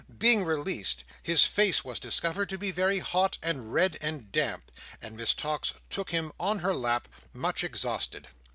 Being released, his face was discovered to be very hot, and red, and damp; and Miss Tox took him on her lap, much exhausted.